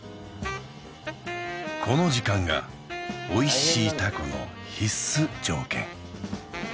この時間がおいしいタコの必須条件